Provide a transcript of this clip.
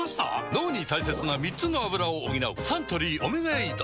脳に大切な３つのアブラを補うサントリー「オメガエイド」